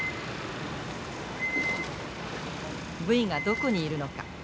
ブイがどこにいるのか？